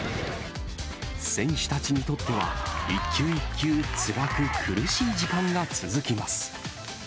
選手たちにとっては、一球一球、つらく苦しい時間が続きます。